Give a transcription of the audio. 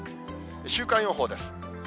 週間予報です。